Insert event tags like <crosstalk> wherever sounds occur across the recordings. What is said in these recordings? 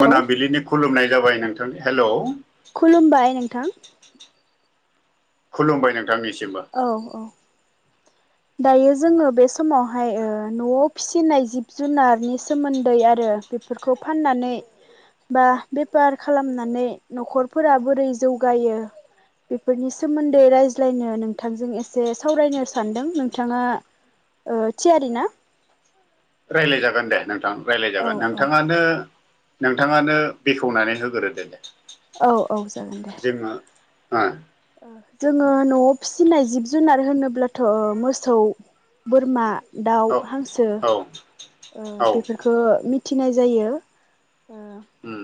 Hello मोनाबिलिनि खुलुमनाय जाबाय नोंथां हेलौ। खुलुमबाय नोंथां। खुलुमबाय नोंथांनिसि औ औ। दायो जोङो बे समावहाय ओ न'आव फिसिनाय जिब-जुनारनि सोमोन्दै आरो ओ बेफोरखौ फाननानै बा बेफार खालामनानै न'खरफोरा बोरै जौगायो बेफोरनि सोमोन्दै रायज्लायनो नोंथांजों एसे सावरायनो सान्दों नोंथाङा ओ थियारि ना रायलाय जागोन दे नोंथां औ रायलायजागोन औ नोंथाङानो नोंथाङानो बेखेवनानै होग्रोदो दे औ औ जागोन दे जोङो जोङो न'आव फिसिनाय जिब-जुनार होनोब्लाथ' मोसौ, बोरमा, दाउ, ओ हांसो औ ओ औ बेफोरखो मिथिनाय जायो। ओ उम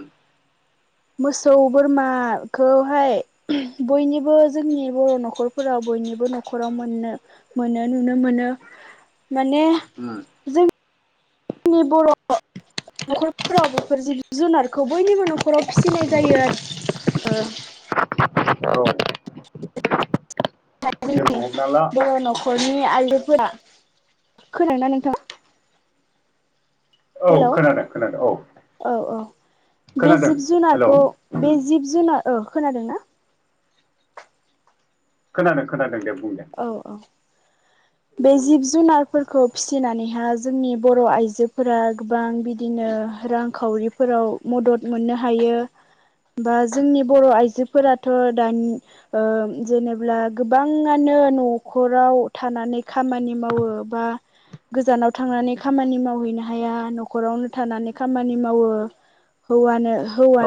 मोसौ बोरमाखौहाय बयनिबो जोंनि बर' न'खरफोराव बयनिबो न'खराव मोननो मोनो नुनो मोनो माने उम जों नि बर' न'खरफोराव बेफोर जिब जुनारखौ बयनिबो न'खराव फिसिनाय जायो आरो <inaudible> औ जोङो हमना ला <unintelligible> न'खरनि आइजोफोरा खोनादोंना नोंथां औ हेलौ खोनादों खोनादों औ औ औ बे खोनादों जिब हेलौ जुनारखौ उम बे जिब जुनार ओ खोनादों ना खोनादों खोनादों दे बु औ औ बे जिब जुनारफोरखौ फिसिनानैहा जोंनि बर' आइजोफोरा गोबां बिदिनो रांखावरिफोराव मदद मोननो हायो बा जोंनि बर' आइजोफोराथ' दानि जेनेब्ला गोबां आनो न'खराव थानानै खामानि मावो बा गोजानाव थांनानै खामानि मावहैनो हाया न'खरावनो थानानै खामानि मावो व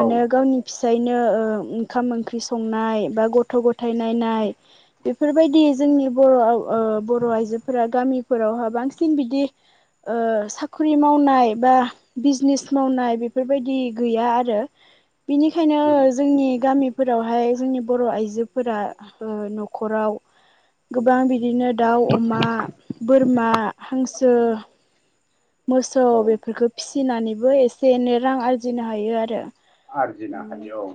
औ गावनि फिसायनो ओंखाम ओंख्रि संनाय बा गथ' गथ' फोथायनायनाय बेफोरबायदि जोंनि बर' बर' आइजोफोरा गामिफोरावहा बांसिन बिदि ओ साखरि मावनाय बा बिजनेस मावनाय बेफोरबायदि गैया आरो बिनिखायनो मोजां जोंनि उम गामिफोरावहाय जोंनि बर' आइजोफोरा न खराव गोबां बिदिनो दाउ अमा बोरमा हांसो मोसौ औ बेफोरखो फिसिनानैबो एसे एनै रां आरजिनो हायो आरो आरजिनो हायो औ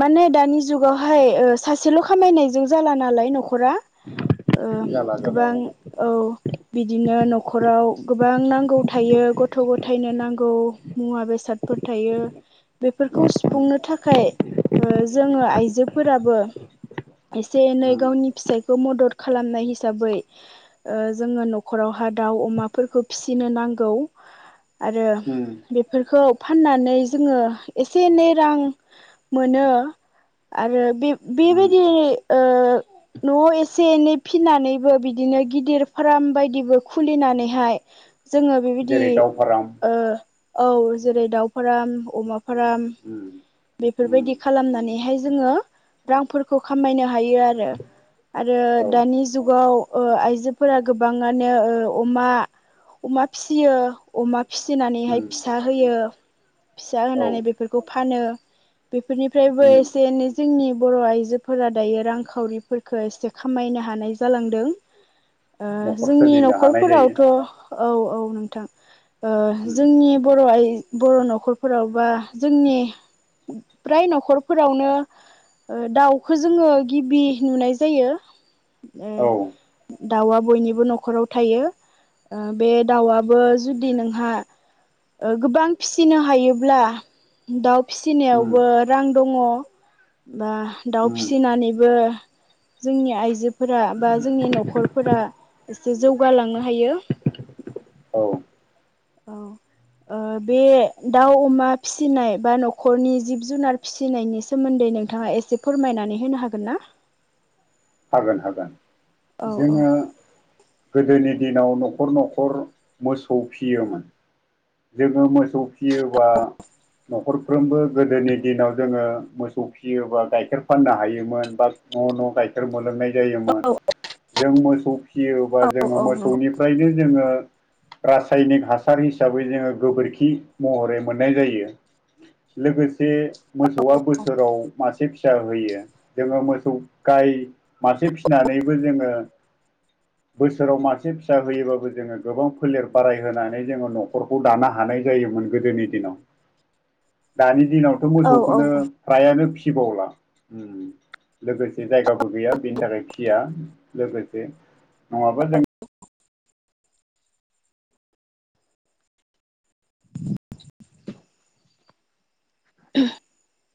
माने दानि जुगावहाय सासेल' खामायनायजों जाला नालाय नखर नखरा जाला जाला औ गोबां औ बिदिनो न'खराव गोबां नांगौ थायो गथ' गथायनो नांगौ मुवा बेसादफोर थायो यो बेफोरखौ उम सुफुंनो थाखाय जोङो आइजोफोराबो एसे एनै उम गावनि फिसायखौ मदद खालामनाय हिसाबै जोङो न'खराव दाउ अमाफोरखौ फिसिनो नांगौ आरो उम बेफोरखौ फाननानै जोङो एसे एनै रां मोनो आरो बे उम बेबायदि न'आव एसे एनै फिनानैबो बिदिनो गिदिर फार्म बायदिबो खुलिनानैहाय जोङो बेबायदि जेरै दाव फाराम औ जेरै दाउ फाराम अमा फाराम उम बेफोरबायदि उम खालामनानैहाय जोङो रांफोरखौ खामायनो हायो आरो आरो औ दानि जुगाव आइजोफोरा गोबाङानो अमा अमा फिसियो अमा फिसिनानैहाय उम फिसा होयो फिसा औ होनानै बेफोरखौ फानो बेफोरनिफ्रायबो उम एसे-एनै जोंनि बर' आइजो फोरा दायो रांखावरिफोरखो एसे खामायनो हानाय जालांदों। ओ न'खर जोंनि सोलिनो न'खर हानाय जायो फोरावथ' औ-औ नोंथां उम जोंनि बर' आइ बर' न'खरफोराव बा जोंनि प्राय न'खर फोरावनो ओ दाउ खो जोङो गिबि नुनाय जायो ओ। औ दाउआ बयनिबो नख'राव थायो। ओ बे दाउआबो जुदि नोंहा ओ गोबां फिसिनो हायोब्ला दाउ उम फिसिनायावबो रां दङ' बा दाउ उम फिसिनानैबो जोंनि आइजोफोरा बा जोंनि न'खरफोरा एसे जौगालांनो हायो। औ। औ। ओ बे दाउ-अमा फिसिनाय बा न'खरनि जिब-जुनार फिसिनायनि सोमोन्दै नोंथाङा एसे फोरमायनानै होनो हागोन ना? हागोन-हागोन औ औ जोङो गोदोनि दिनाव न'खर-न'खर मोसौ फियोमोन। जोङो मोसौ फिसियोबा न'खरफ्रोमबो गोदोनि दिनाव जोङो मोसौ फियोबा गाइखेर फाननो हायोमोन बा न'-न' गाय खेर मोनलोंनाय जायोमोन जों मोसौ फिसियोबा औ जोङो औ नंगौ। मोसौनिफ्रायनो जोङो रासायनिक हासार हिसाबै जोङो गोबोरखि महरै मोननाय जायो। लोगोसे मोसौआ बोसोराव मासे फिसा होयो जोङो मोसौ गाय मासे फिसिनानैबो जोङो बोसोराव मासे फिसा होयोबाबो जोङो गोबां फोलेर बाराय होनोनानै जोङो न'खरखौ दानो हा नाय जायोमोन गोदोनि दिनाव दानि दिनावथ' औ औ मोसौखौनो औ फ्रायानो फिबावला उम लोगोसे जायगा गैया बेनि थाखाय फिया लोगोसे नङाबा जों <inaudible> <inaudible>